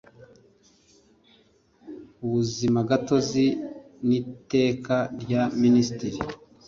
ubuzimagatozi n Iteka rya Minisitiri